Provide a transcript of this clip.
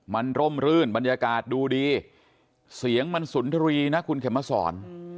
มันร่มรื่นบรรยากาศดูดีเสียงมันสุนทรีย์นะคุณเข็มมาสอน